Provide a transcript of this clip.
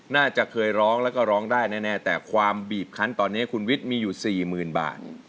น่าจะเคยร้องแล้วก็ร้องได้แน่แต่ความบีบคันตอนนี้คุณวิทย์มีอยู่สี่หมื่นบาท